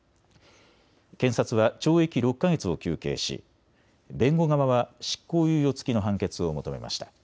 検察は懲役６か月を求刑し、弁護側は執行猶予付きの判決を求めました。